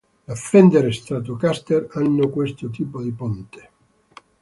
Le Fender Stratocaster hanno questo tipo di ponte.